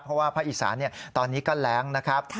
เพราะว่าภาคอีสานตอนนี้ก็แรงนะครับ